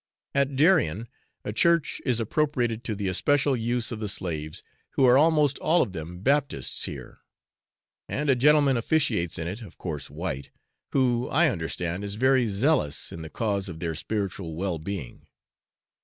At Darien, a church is appropriated to the especial use of the slaves, who are almost all of them Baptists here; and a gentleman officiates in it (of course white), who, I understand, is very zealous in the cause of their spiritual well being.